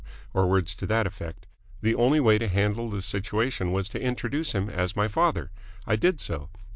or words to that effect. The only way to handle the situation was to introduce him as my father. I did so.